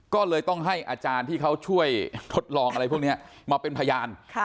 ก็เลยต้องให้อาจารย์ที่เข้าช่วยทดลองมาเป็นพยาน